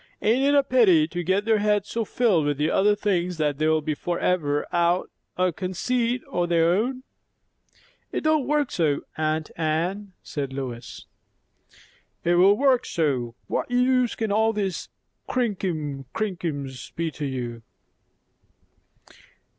Ain't it a pity to get their heads so filled with the other things that they'll be for ever out o' conceit o' their own?" "It don't work so, aunt Anne," said Lois. "It will work so. What use can all these krinkum krankums be to you?